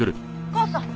母さん。